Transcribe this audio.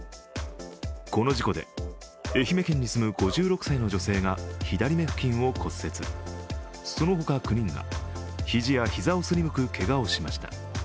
この事故で、愛媛県に住む５６歳の女性が左目付近を骨折、そのほか９人が肘や膝をすりむくけがをしました。